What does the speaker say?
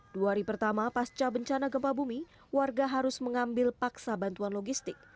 dua hari pertama pasca bencana gempa bumi warga harus mengambil paksa bantuan logistik